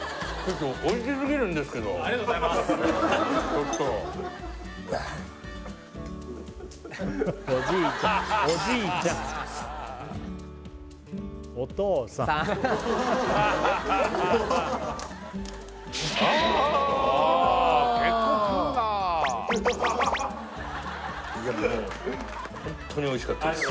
カッハッハッハいやもうホントにおいしかったです